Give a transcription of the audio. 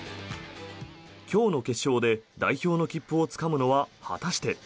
今日の決勝で代表の切符をつかむのは果たして。